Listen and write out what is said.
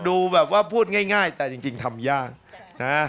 ดูแบบว่าพูดง่ายแต่จริงทำยากนะ